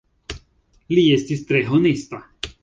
Li estis tre honesta.